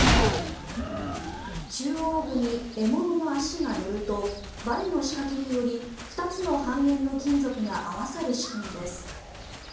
中央部に獲物の足が乗るとばねの仕掛けにより２つの半円の金属が合わさる仕組みです。